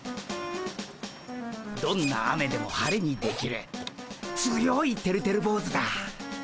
どんな雨でも晴れにできる強いてるてる坊主だ。